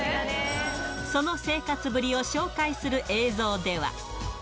その生活ぶりを紹介する映像では。